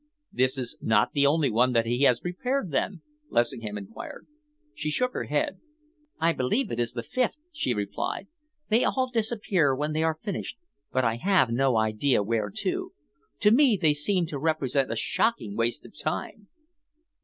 "This is not the only one that he has prepared, then?" Lessingham enquired. She shook her head. "I believe it is the fifth," she replied. "They all disappear when they are finished, but I have no idea where to. To me they seem to represent a shocking waste of time."